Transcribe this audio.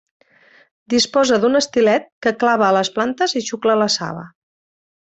Disposa d'un estilet que clava a les plantes i xucla la saba.